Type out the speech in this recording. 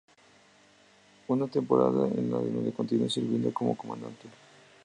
Una temporada en la donde continuó sirviendo como comandante.